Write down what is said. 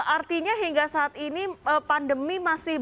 artinya hingga saat ini pandemi masih berjalan